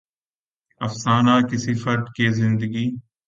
افسانہ کسی فرد کے زندگی